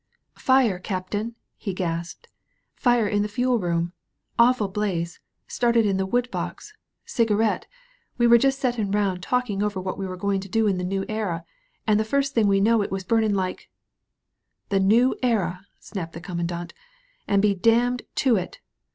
"Fire, captain," he gasped, "fire in the fuel room — awful blaze — started in the wood box — dgarette — ^we were just settin' round talkin' over what we were goin' to do in the New Era, an' the first thing we knew it was bumin' like " "The New Era," snapped the Commandant, "and be damned to it!